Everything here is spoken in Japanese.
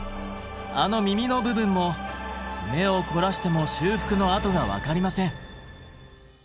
あの耳の部分も目を凝らしても修復の跡が分かりません。